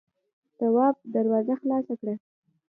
تواب دروازه خلاصه کړه.